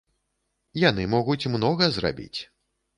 Яны могуць многа зрабіць.